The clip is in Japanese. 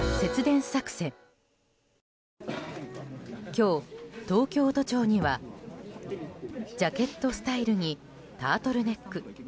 今日、東京都庁にはジャケットスタイルにタートルネック。